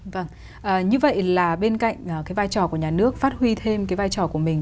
vâng như vậy là bên cạnh cái vai trò của nhà nước phát huy thêm cái vai trò của mình